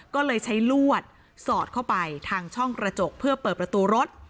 ก็เลยใช้ลวดสอดเข้าไปทางช่องกระจกเพื่อเปิดประตูรถ